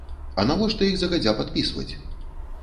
А навошта іх загадзя падпісваць?